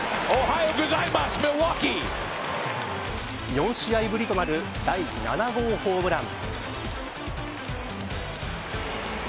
４試合ぶりとなる第７号ホームラン。